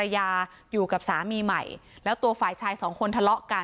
ยาอยู่กับสามีใหม่แล้วตัวฝ่ายชายสองคนทะเลาะกัน